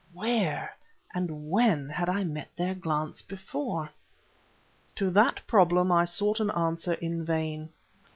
Where, and when, had I met their glance before? To that problem I sought an answer in vain.